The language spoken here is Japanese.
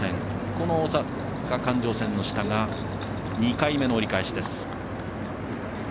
この大阪環状線の下が２回目の折り返し。